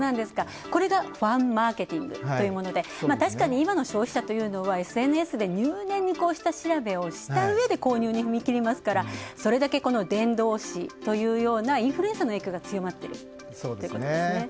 これがファンマーケティングというもので、確かに今の消費者というのはＳＮＳで入念に下調べをしたうえで購入に踏み切りますからそれだけ伝道師というようなインフルエンサーの影響が強まってるということですね。